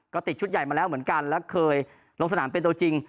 ก็ติดชุดใหญ่มาแล้วเหมือนกันและเคยลงสนามเป็นตัวจริง